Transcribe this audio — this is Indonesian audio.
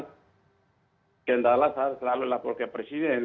gendala selalu lapor ke presiden